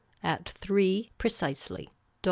At three precisely. Dr.